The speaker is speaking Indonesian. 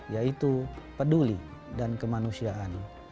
yaitu peduli dan kemanusiaan